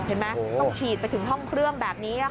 เห็นไหมต้องฉีดไปถึงห้องเครื่องแบบนี้